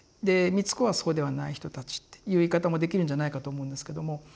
で美津子はそうではない人たちっていう言い方もできるんじゃないかと思うんですけども。